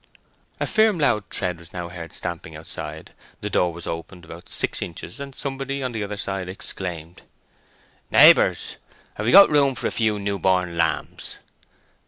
A firm loud tread was now heard stamping outside; the door was opened about six inches, and somebody on the other side exclaimed— "Neighbours, have ye got room for a few new born lambs?"